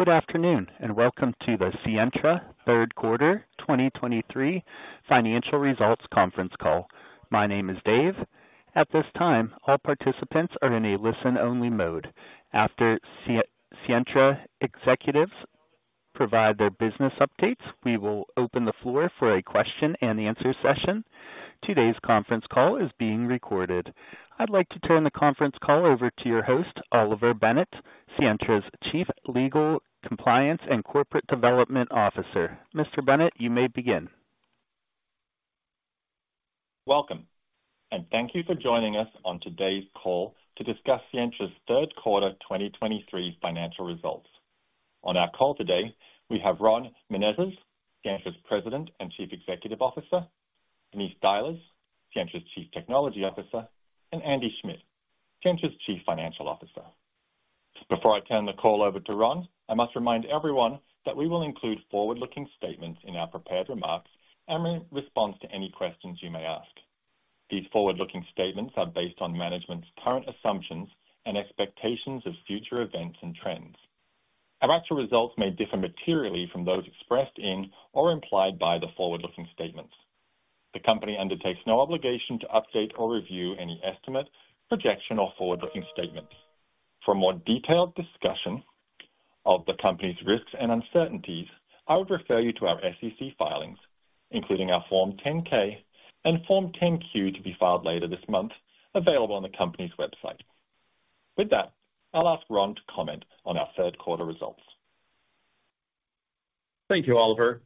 Good afternoon, and welcome to the Sientra Third Quarter 2023 Financial Results Conference Call. My name is Dave. At this time, all participants are in a listen-only mode. After Sientra executives provide their business updates, we will open the floor for a question-and-answer session. Today's conference call is being recorded. I'd like to turn the conference call over to your host, Oliver Bennett, Sientra's Chief Legal, Compliance, and Corporate Development Officer. Mr. Bennett, you may begin. Welcome and thank you for joining us on today's call to discuss Sientra's third quarter 2023 financial results. On our call today, we have Ron Menezes, Sientra's President and Chief Executive Officer, Denise Dajles, Sientra's Chief Technology Officer, and Andy Schmidt, Sientra's Chief Financial Officer. Before I turn the call over to Ron, I must remind everyone that we will include forward-looking statements in our prepared remarks and response to any questions you may ask. These forward-looking statements are based on management's current assumptions and expectations of future events and trends. Our actual results may differ materially from those expressed in or implied by the forward-looking statements. The company undertakes no obligation to update or review any estimate, projection, or forward-looking statements. For a more detailed discussion of the company's risks and uncertainties, I would refer you to our SEC filings, including our Form 10-K and Form 10-Q, to be filed later this month, available on the company's website. With that, I'll ask Ron to comment on our third quarter results. Thank you, Oliver.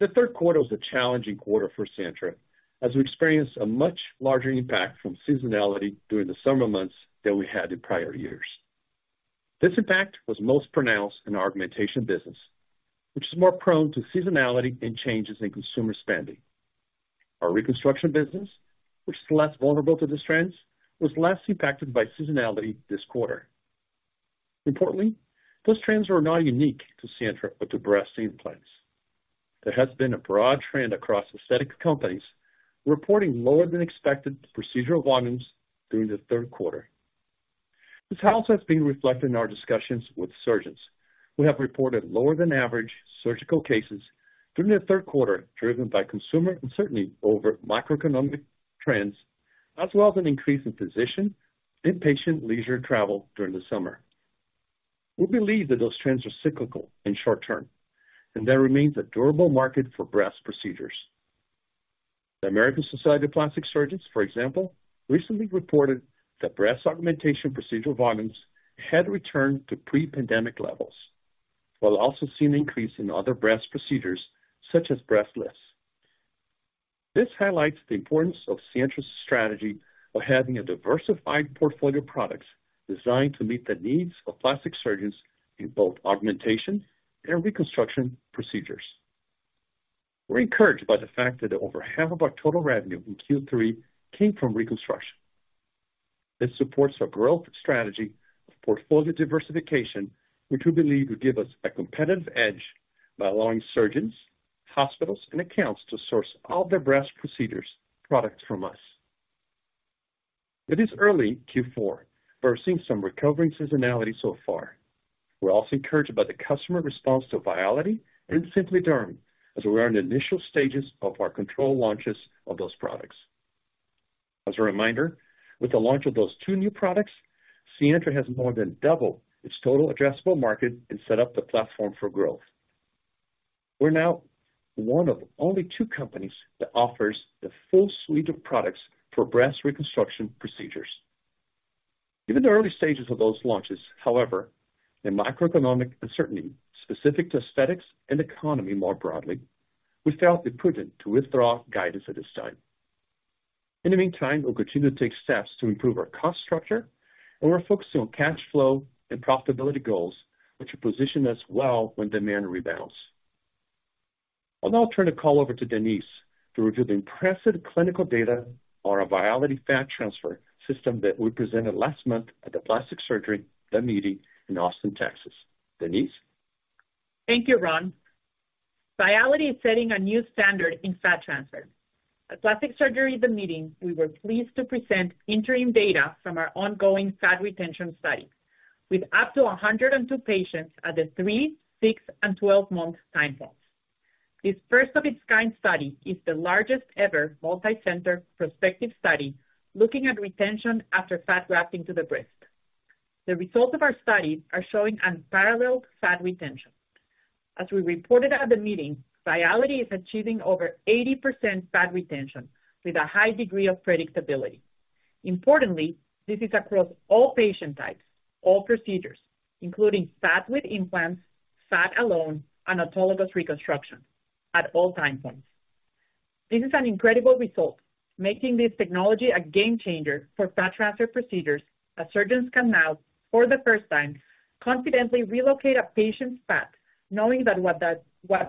The third quarter was a challenging quarter for Sientra, as we experienced a much larger impact from seasonality during the summer months than we had in prior years. This impact was most pronounced in our augmentation business, which is more prone to seasonality and changes in consumer spending. Our reconstruction business, which is less vulnerable to these trends, was less impacted by seasonality this quarter. Importantly, those trends are not unique to Sientra or to Breast Implants. There has been a broad trend across aesthetic companies reporting lower than expected procedural volumes during the third quarter. This also has been reflected in our discussions with surgeons, who have reported lower than average surgical cases during the third quarter, driven by consumer uncertainty over macroeconomic trends, as well as an increase in physician and patient leisure travel during the summer. We believe that those trends are cyclical and short-term, and there remains a durable market for breast procedures. The American Society of Plastic Surgeons, for example, recently reported that breast augmentation procedural volumes had returned to pre-pandemic levels, while also seeing an increase in other breast procedures, such as breast lifts. This highlights the importance of Sientra's strategy of having a diversified portfolio of products designed to meet the needs of plastic surgeons in both augmentation and reconstruction procedures. We're encouraged by the fact that over half of our total revenue in Q3 came from reconstruction. This supports our growth strategy of portfolio diversification, which we believe will give us a competitive edge by allowing surgeons, hospitals, and accounts to source all their breast procedures products from us. It is early Q4, but we're seeing some recovering seasonality so far. We're also encouraged by the customer response to Viality and SimpliDerm, as we're in the initial stages of our control launches of those products. As a reminder, with the launch of those two new products, Sientra has more than doubled its total addressable market and set up the platform for growth. We're now one of only two companies that offers the full suite of products for breast reconstruction procedures. Given the early stages of those launches, however, and macroeconomic uncertainty specific to aesthetics and economy more broadly, we felt it prudent to withdraw guidance at this time. In the meantime, we'll continue to take steps to improve our cost structure, and we're focusing on cash flow and profitability goals, which will position us well when demand rebounds. I'll now turn the call over to Denise to review the impressive clinical data on our Viality fat transfer system that we presented last month at the Plastic Surgery The Meeting in Austin, Texas. Denise? Thank you, Ron. Viality is setting a new standard in fat transfer. At Plastic Surgery The Meeting, we were pleased to present interim data from our ongoing fat retention study, with up to 102 patients at the three-, six-, and 12-month time points. This first-of-its-kind study is the largest-ever multicenter prospective study looking at retention after fat grafting to the breast. The results of our study are showing unparalleled fat retention. As we reported at the meeting, Viality is achieving over 80% fat retention with a high degree of predictability. Importantly, this is across all patient types, all procedures, including fat with implants, fat alone, and autologous reconstruction at all time points. This is an incredible result, making this technology a game changer for fat transfer procedures, as surgeons can now, for the first time, confidently relocate a patient's fat, knowing that what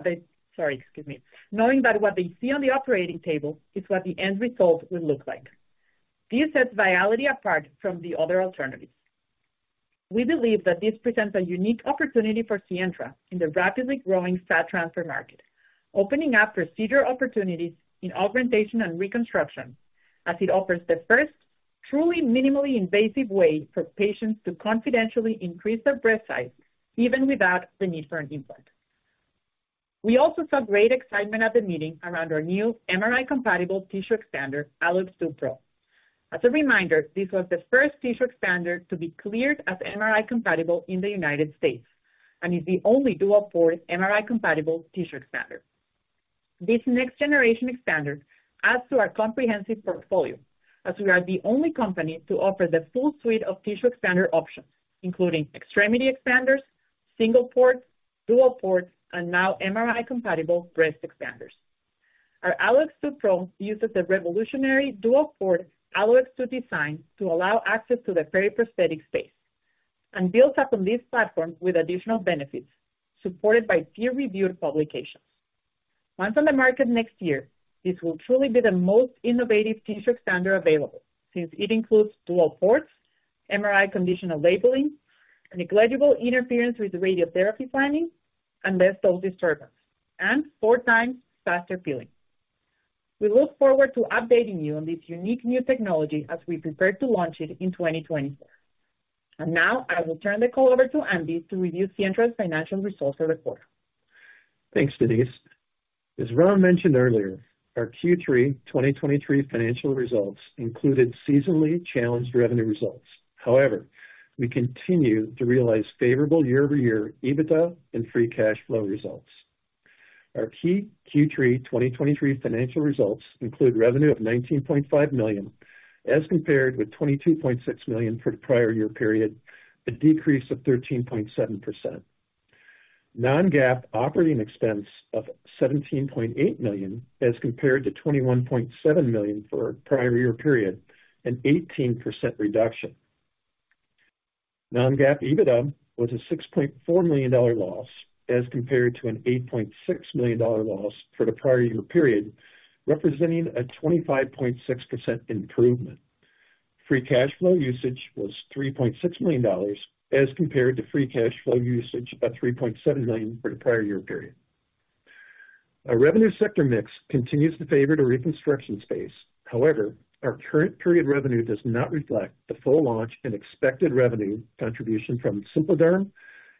they... Sorry, excuse me. Knowing that what they see on the operating table is what the end result will look like. This sets Viality apart from the other alternatives. We believe that this presents a unique opportunity for Sientra in the rapidly growing fat transfer market... opening up procedure opportunities in augmentation and reconstruction, as it offers the first truly minimally invasive way for patients to confidentially increase their breast size, even without the need for an implant. We also saw great excitement at the meeting around our new MRI-compatible tissue expander, AlloX2 Pro. As a reminder, this was the first tissue expander to be cleared as MRI-compatible in the U.S., and is the only dual port MRI-compatible tissue expander. This next generation expander adds to our comprehensive portfolio, as we are the only company to offer the full suite of tissue expander options, including extremity expanders, single port, dual port, and now MRI-compatible breast expanders. Our AlloX2 Pro uses the revolutionary dual port AlloX2 design to allow access to the periprosthetic space and builds up on this platform with additional benefits supported by peer-reviewed publications. Once on the market next year, this will truly be the most innovative tissue expander available, since it includes dual ports, MR Conditional labeling, negligible interference with radiotherapy planning, and less dose disturbance, and 4x faster peeling. We look forward to updating you on this unique new technology as we prepare to launch it in 2024. And now I will turn the call over to Andy to review Sientra's financial results and report. Thanks, Denise. As Ron mentioned earlier, our Q3 2023 financial results included seasonally challenged revenue results. However, we continue to realize favorable year-over-year EBITDA and free cash flow results. Our key Q3 2023 financial results include revenue of $19.5 million, as compared with $22.6 million for the prior year period, a decrease of 13.7%. Non-GAAP operating expense of $17.8 million, as compared to $21.7 million for our prior year period, an 18% reduction. Non-GAAP EBITDA was a $6.4 million loss, as compared to an $8.6 million loss for the prior year period, representing a 25.6% improvement. Free cash flow usage was $3.6 million, as compared to free cash flow usage of $3.7 million for the prior year period. Our revenue sector mix continues to favor the reconstruction space. However, our current period revenue does not reflect the full launch and expected revenue contribution from SimpliDerm,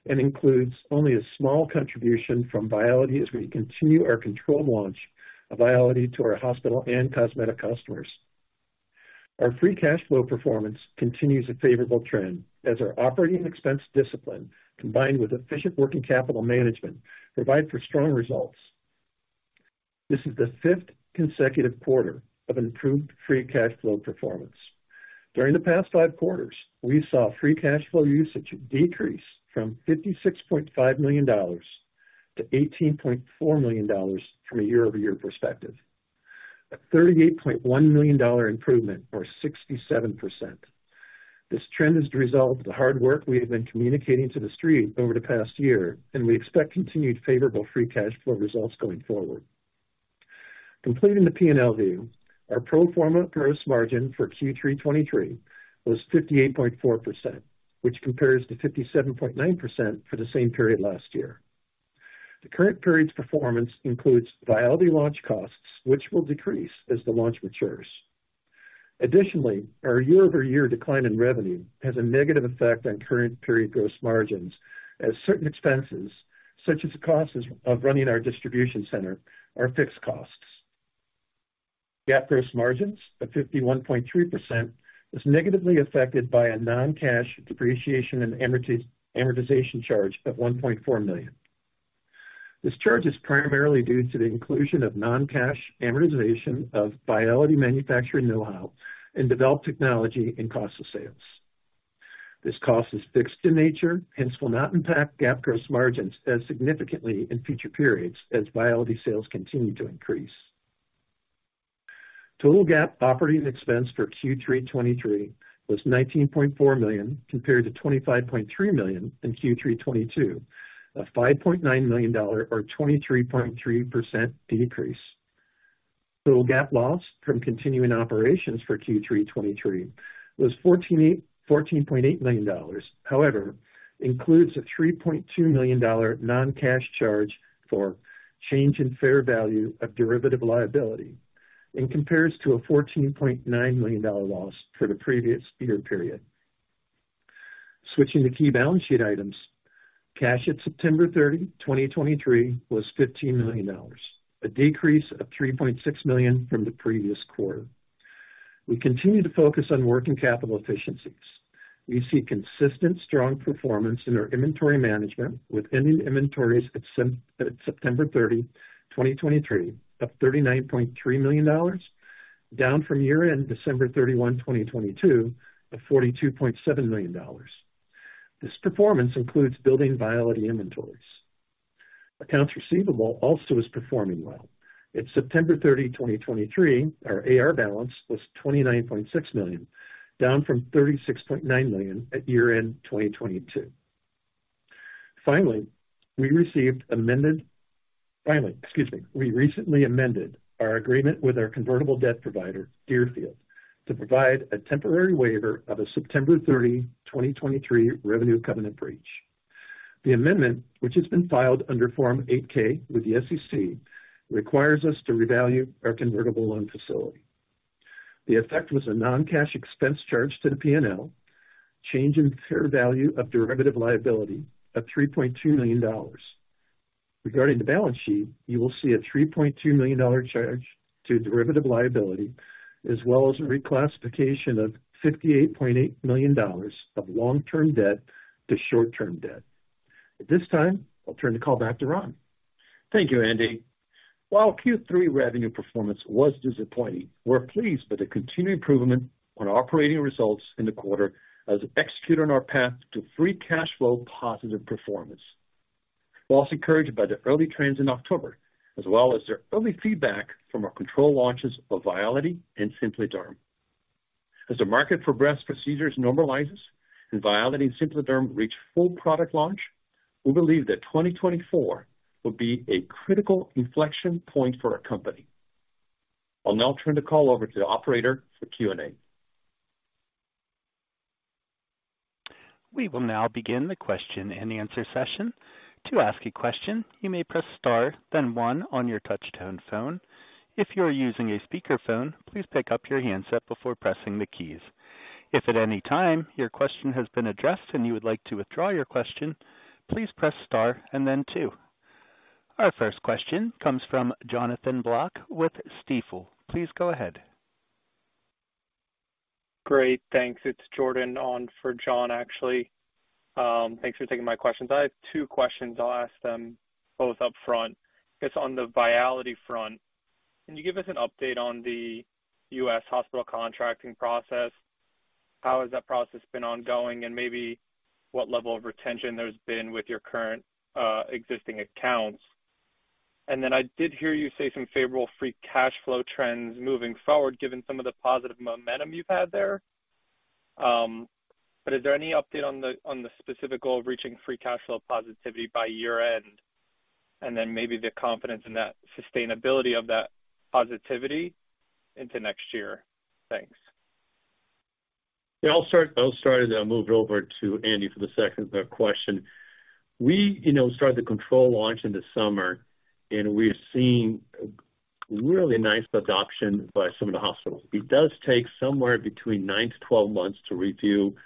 and includes only a small contribution from Viality as we continue our controlled launch of Viality to our hospital and cosmetic customers. Our free cash flow performance continues a favorable trend as our operating expense discipline, combined with efficient working capital management, provide for strong results. This is the fifth consecutive quarter of improved free cash flow performance. During the past five quarters, we saw free cash flow usage decrease from $56.5 million to $18.4 million from a year-over-year perspective, a $38.1 million improvement, or 67%. This trend is the result of the hard work we have been communicating to the Wall Street over the past year, and we expect continued favorable free cash flow results going forward. Completing the P&L view, our pro forma gross margin for Q3 2023 was 58.4%, which compares to 57.9% for the same period last year. The current period's performance includes Viality launch costs, which will decrease as the launch matures. Additionally, our year-over-year decline in revenue has a negative effect on current period gross margins, as certain expenses, such as the costs of running our distribution center, are fixed costs. GAAP gross margins of 51.3% was negatively affected by a non-cash depreciation and amortization charge of $1.4 million. This charge is primarily due to the inclusion of non-cash amortization of Viality manufacturing know-how and developed technology in cost of sales. This cost is fixed in nature, hence will not impact GAAP gross margins as significantly in future periods as Viality sales continue to increase. Total GAAP operating expense for Q3 2023 was $19.4 million, compared to $25.3 million in Q3 2022, a $5.9 million or 23.3% decrease. Total GAAP loss from continuing operations for Q3 2023 was $14.8 million, however, includes a $3.2 million non-cash charge for change in fair value of derivative liability, and compares to a $14.9 million loss for the previous year period. Switching to key balance sheet items. Cash at September 30, 2023, was $15 million, a decrease of $3.6 million from the previous quarter. We continue to focus on working capital efficiencies. We see consistent, strong performance in our inventory management, with ending inventories at September 30, 2023, of $39.3 million, down from year-end December 31, 2022, of $42.7 million. This performance includes building Viality inventories. Accounts receivable also is performing well. At September 30, 2023, our AR balance was $29.6 million, down from $36.9 million at year-end 2022. Finally, excuse me. We recently amended our agreement with our convertible debt provider, Deerfield, to provide a temporary waiver of a September 30, 2023, revenue covenant breach. The amendment, which has been filed under Form 8-K with the SEC, requires us to revalue our convertible loan facility. The effect was a non-cash expense charge to the P&L, change in fair value of derivative liability of $3.2 million. Regarding the balance sheet, you will see a $3.2 million charge to derivative liability, as well as a reclassification of $58.8 million of long-term debt to short-term debt. At this time, I'll turn the call back to Ron. Thank you, Andy. While Q3 revenue performance was disappointing, we're pleased with the continued improvement on operating results in the quarter as executing our path to free cash flow positive performance. We're also encouraged by the early trends in October, as well as their early feedback from our control launches of Viality and SimpliDerm. As the market for breast procedures normalizes and Viality and SimpliDerm reach full product launch, we believe that 2024 will be a critical inflection point for our company. I'll now turn the call over to the operator for Q&A. We will now begin the question-and-answer session. To ask a question, you may press star then one on your touchtone phone. If you are using a speakerphone, please pick up your handset before pressing the keys. If at any time your question has been addressed and you would like to withdraw your question, please press star and then two. Our first question comes from Jonathan Block with Stifel. Please go ahead. Great, thanks. It's Jordan on for John, actually. Thanks for taking my questions. I have two questions. I'll ask them both upfront. It's on the Viality front. Can you give us an update on the U.S. hospital contracting process? How has that process been ongoing, and maybe what level of retention there's been with your current, existing accounts? And then I did hear you say some favorable free cash flow trends moving forward, given some of the positive momentum you've had there. But is there any update on the specific goal of reaching free cash flow positivity by year-end, and then maybe the confidence in that sustainability of that positivity into next year? Thanks. Yeah, I'll start, and then I'll move it over to Andy for the second question. We, you know, started the control launch in the summer, and we've seen really nice adoption by some of the hospitals. It does take somewhere between nine to 12 months to review,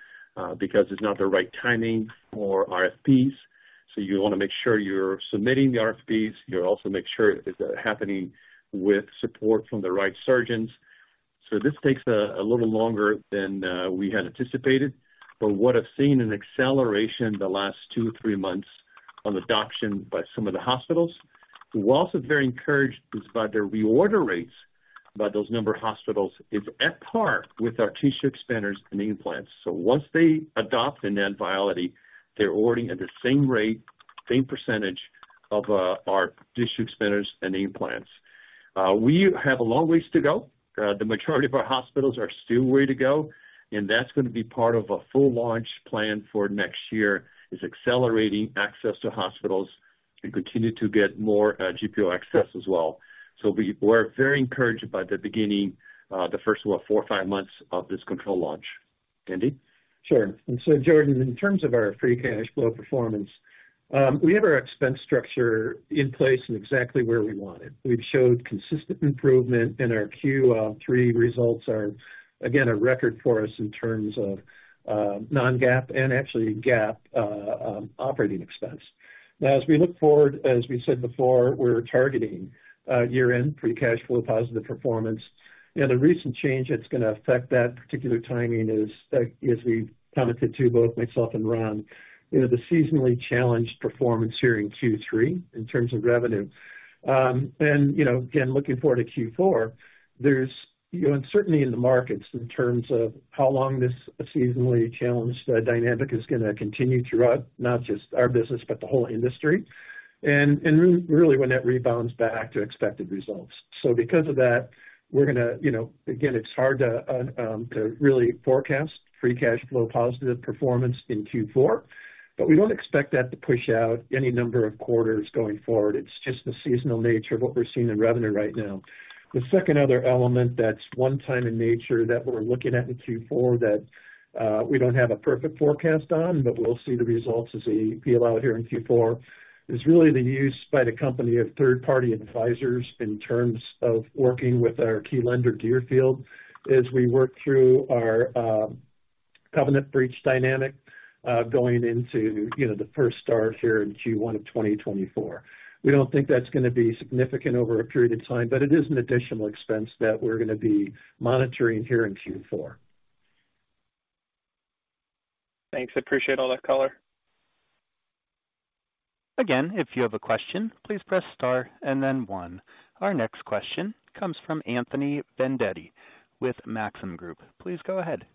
because it's not the right timing for RFPs. So you want to make sure you're submitting the RFPs. You also make sure it's happening with support from the right surgeons. So this takes a little longer than we had anticipated. But what I've seen an acceleration in the last two or three months on adoption by some of the hospitals. We're also very encouraged by the reorder rates by those number of hospitals is at par with our tissue expanders and implants. So once they adopt in that Viality, they're ordering at the same rate, same percentage of our tissue expanders and implants. We have a long ways to go. The majority of our hospitals are still a ways to go, and that's going to be part of a full launch plan for next year, is accelerating access to hospitals and continue to get more GPO access as well. So we're very encouraged by the beginning, the first, what, four or five months of this controlled launch. Andy? Sure. And so, Jordan, in terms of our free cash flow performance, we have our expense structure in place and exactly where we want it. We've showed consistent improvement and our Q3 results are, again, a record for us in terms of non-GAAP and actually GAAP operating expense. Now, as we look forward, as we said before, we're targeting year-end free cash flow positive performance. And the recent change that's going to affect that particular timing is, as we've commented to both myself and Ron, you know, the seasonally challenged performance here in Q3 in terms of revenue. And, you know, again, looking forward to Q4, there's uncertainty in the markets in terms of how long this seasonally challenged dynamic is going to continue to run, not just our business, but the whole industry, and really when that rebounds back to expected results. So because of that, we're going to, you know... Again, it's hard to really forecast free cash flow positive performance in Q4, but we don't expect that to push out any number of quarters going forward. It's just the seasonal nature of what we're seeing in revenue right now. The second other element that's one time in nature that we're looking at in Q4, that, we don't have a perfect forecast on, but we'll see the results as they peel out here in Q4, is really the use by the company of third-party advisors in terms of working with our key lender, Deerfield, as we work through our, covenant breach dynamic, going into, you know, the first start here in Q1 of 2024. We don't think that's going to be significant over a period of time, but it is an additional expense that we're going to be monitoring here in Q4. Thanks. I appreciate all that color. Again, if you have a question, please press star and then one. Our next question comes from Anthony Vendetti with Maxim Group. Please go ahead.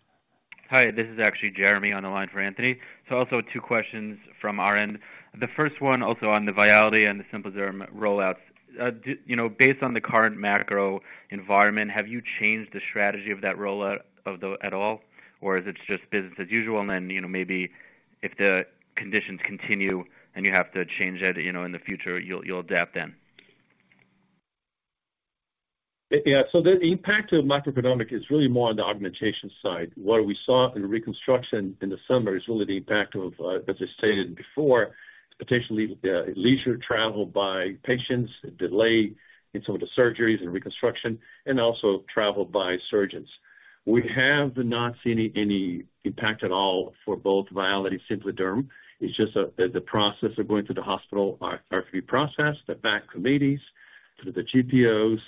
Hi, this is actually Jeremy on the line for Anthony. So also two questions from our end. The first one, also on the Viality and the SimpliDerm rollouts. Do you know, based on the current macro environment, have you changed the strategy of that rollout at all, or is it just business as usual? And then, you know, maybe if the conditions continue and you have to change it, you know, in the future, you'll, you'll adapt then? The impact of macroeconomic is really more on the augmentation side. What we saw in reconstruction in the summer is really the impact of, as I stated before, potentially, leisure travel by patients, delay in some of the surgeries and reconstruction, and also travel by surgeons. We have not seen any, any impact at all for both Viality, SimpliDerm. It's just that the process of going to the hospital are, are few processed, the back committees, through the GPOs.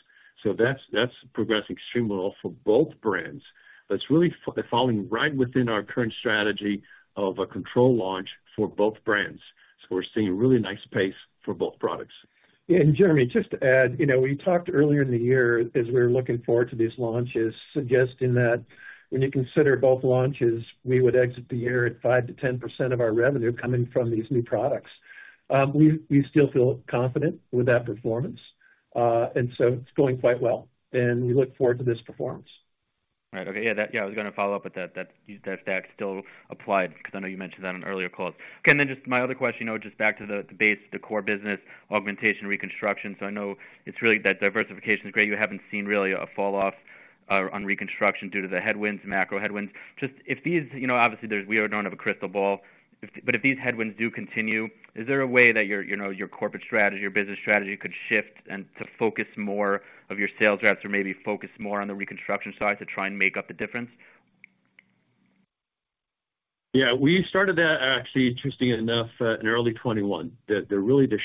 So that's, that's progressing extremely well for both brands. That's really falling right within our current strategy of a control launch for both brands. So we're seeing really nice pace for both products. Yeah, and Jeremy, just to add, you know, we talked earlier in the year as we were looking forward to these launches, suggesting that when you consider both launches, we would exit the year at 5%-10% of our revenue coming from these new products. We still feel confident with that performance, and so it's going quite well, and we look forward to this performance. Right. Okay. Yeah, that, yeah, I was gonna follow up with that. That still applied, because I know you mentioned that on earlier calls. Okay, and then just my other question, you know, just back to the base, the core business, augmentation, reconstruction. So I know it's really that diversification is great. You haven't seen really a fall off on reconstruction due to the headwinds, macro headwinds. Just if these, you know, obviously, there's we don't have a crystal ball, but if these headwinds do continue, is there a way that your, you know, your corporate strategy or business strategy could shift to focus more of your sales reps or maybe focus more on the reconstruction side to try and make up the difference? Yeah, we started that, actually, interestingly enough, in early 2021, the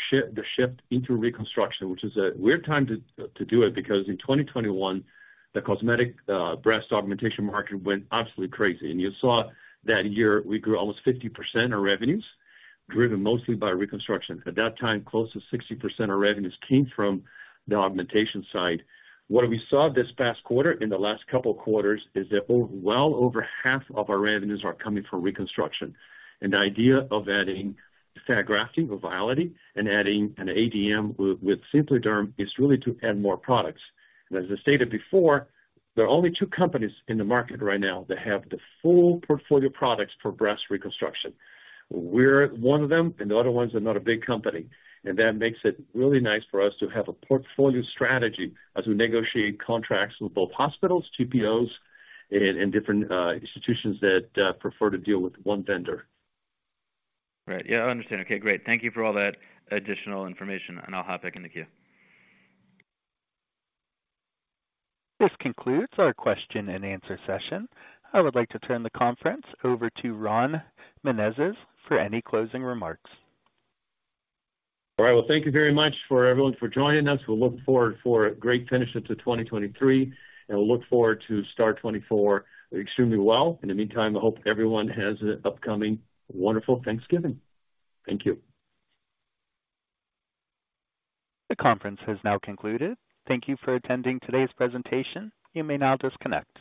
shift into reconstruction, which is a weird time to do it, because in 2021, the cosmetic breast augmentation market went absolutely crazy. And you saw that year we grew almost 50% of revenues, driven mostly by reconstruction. At that time, close to 60% of revenues came from the augmentation side. What we saw this past quarter, in the last couple of quarters, is that over, well over half of our revenues are coming from reconstruction. And the idea of adding fat grafting with Viality and adding an ADM with SimpliDerm is really to add more products. And as I stated before, there are only two companies in the market right now that have the full portfolio products for breast reconstruction. We're one of them, and the other one's are not a big company, and that makes it really nice for us to have a portfolio strategy as we negotiate contracts with both hospitals, GPOs, and different institutions that prefer to deal with one vendor. Right. Yeah, I understand. Okay, great. Thank you for all that additional information, and I'll hop back in the queue. This concludes our question-and-answer session. I would like to turn the conference over to Ron Menezes for any closing remarks. All right. Well, thank you very much for everyone for joining us. We'll look forward for a great finish into 2023, and we'll look forward to start 2024 extremely well. In the meantime, I hope everyone has an upcoming wonderful Thanksgiving. Thank you. The conference has now concluded. Thank you for attending today's presentation. You may now disconnect.